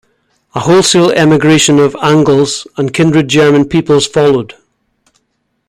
A wholesale emigration of Angles and kindred German peoples followed.